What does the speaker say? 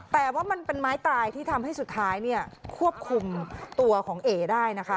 แต่ว่ามันเป็นไม้ตายที่ทำให้สุดท้ายเนี่ยควบคุมตัวของเอ๋ได้นะคะ